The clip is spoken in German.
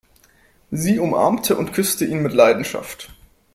Sie umarmte und küsste ihn mit Leidenschaft.